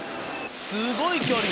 すごい距離！